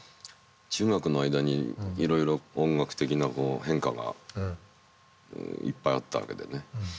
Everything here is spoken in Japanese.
中学の間にいろいろ音楽的な変化がいっぱいあったわけでね。